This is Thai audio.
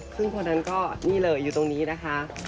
ซึ่งคนนั้นก็นี่เลยอยู่ตรงนี้นะคะ